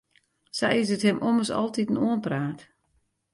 Sa is it him ommers altiten oanpraat.